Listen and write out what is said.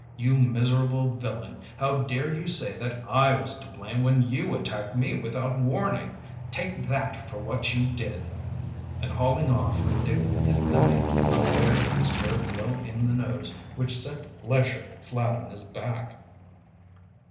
"You miserable villain. How dare you say that I was to blame when you attacked me without warning? Take that for what you did." And hauling off, Dick hit the mate a fair and square blow in the nose which sent Lesher flat on his back.